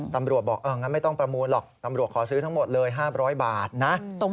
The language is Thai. ตำรวจบอกงั้นไม่ต้องประมูลหรอกตำรวจขอซื้อทั้งหมดเลย๕๐๐บาทนะ